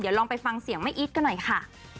ลองไปฟังเสียงแม่อีทกันหน่อยค่ะ